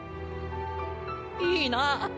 いいなぁ。